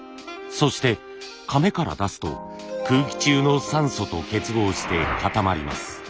そしてかめから出すと空気中の酸素と結合して固まります。